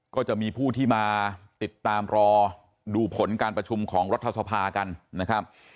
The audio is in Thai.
ก็จะมีผู้ที่มาติดตามรอดูผลการประชุมของรัฐสภากันนะครับ